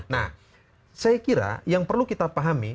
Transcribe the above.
nah saya kira yang perlu kita pahami